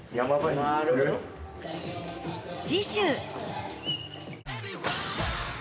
次週